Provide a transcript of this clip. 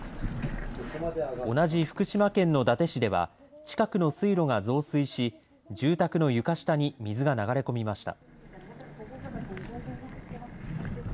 同じ福島県の伊達市では近くの水路が増水し住宅の床下に水が流れ込みました。